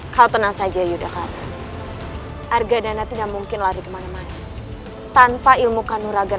kau tenang saja yudhakarat argadana tidak mungkin lari kemana mana tanpa ilmu kanuragan